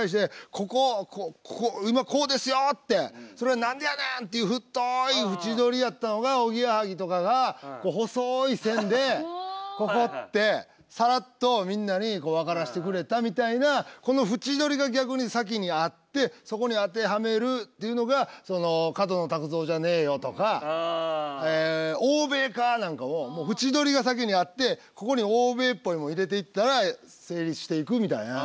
それが「なんでやねん！」っていう太い縁どりやったのがおぎやはぎとかが細い線で「ここ」ってサラッとみんなに分からせてくれたみたいなこの縁どりが逆に先にあってそこに当てはめるというのが「角野卓造じゃねえよ！」とか「欧米か！」なんかも縁どりが先にあってここに欧米っぽいもの入れていったら成立していくみたいな。